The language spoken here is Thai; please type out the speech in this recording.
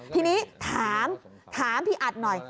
ทีนี้ถามถามพี่อัดหน่อย